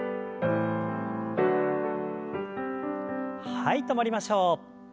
はい止まりましょう。